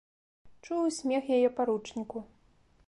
Чуў і смех яе паручніку.